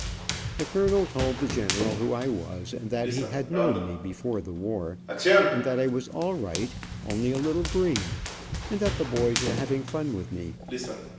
The colonel told the general who I was, that he had known me before the war, and that I was all right only a little green, and that the boys were having fun with me.